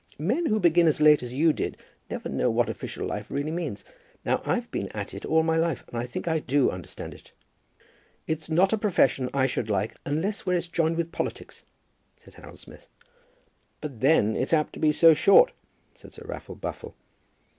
Men who begin as late as you did never know what official life really means. Now I've been at it all my life, and I think I do understand it." "It's not a profession I should like unless where it's joined with politics," said Harold Smith. "But then it's apt to be so short," said Sir Raffle Buffle.